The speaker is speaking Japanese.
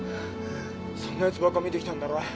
そんな奴ばっか見てきたんだろう？